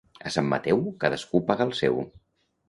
A Sant Mateu, cadascú paga el seu.